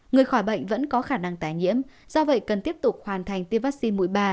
người khỏi bệnh vẫn có khả năng tài nhiễm do vậy cần tiếp tục hoàn thành tiêm vaccine mũi ba